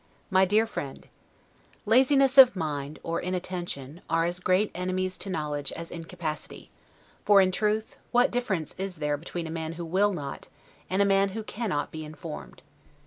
MY DEAR FRIEND: Laziness of mind, or inattention, are as great enemies to knowledge as incapacity; for, in truth, what difference is there between a man who will not, and a man who cannot be informed?